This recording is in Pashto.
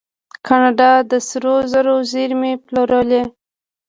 کاناډا د سرو زرو زیرمې پلورلي.